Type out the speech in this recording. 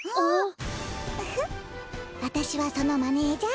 ウフわたしはそのマネージャー。